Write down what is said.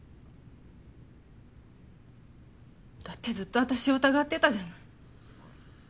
だってずっと私を疑ってたじゃない。